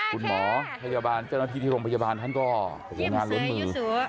คุณหมอพยาบาลเจ้าหน้าที่ที่โรงพยาบาลท่านก็โอ้โหงานล้นมือ